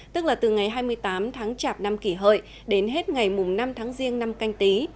tức là từ ngày hai mươi tám tháng chạp năm kỷ hợi đến hết ngày năm tháng riêng năm canh tí